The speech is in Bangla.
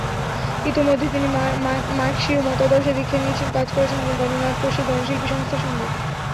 ইতিমধ্যে তিনি মার্ক্সীয় মতাদর্শে দীক্ষা নিয়েছেন, কাজ করেছেন গণনাট্য গণশিল্পী সংস্থার সঙ্গে।